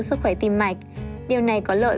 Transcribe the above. sức khỏe tim mạch điều này có lợi